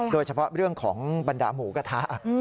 โดยเฉพาะเรื่องของบรรดาหมูกระทะ